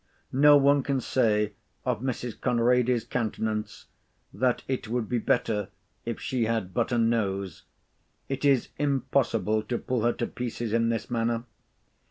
No one can say of Mrs. Conrady's countenance, that it would be better if she had but a nose. It is impossible to pull her to pieces in this manner.